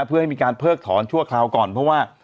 เพื่อให้มีการเพิกถอนชั่วคราวก่อนเพราะว่า